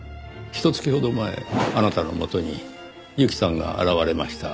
ひと月ほど前あなたのもとに由季さんが現れました。